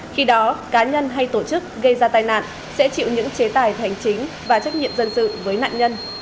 khi đó cá nhân hay tổ chức gây ra tai nạn sẽ chịu những chế tài hành chính và trách nhiệm dân sự với nạn nhân